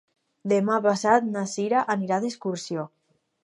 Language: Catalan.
Demà passat na Sira anirà d'excursió.